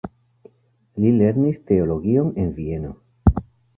Li lernis teologion en Vieno.